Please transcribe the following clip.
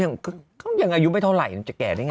เออก็เขายังอายุไม่เท่าไหร่จะแก่ได้ไง